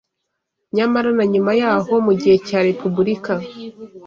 Nyamara na nyuma y’aho mu gihe cya Repubulika